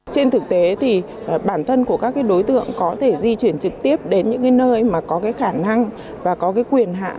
trên thực tế thì bản thân của các đối tượng có thể di chuyển trực tiếp đến những nơi mà có khả năng và có quyền hạ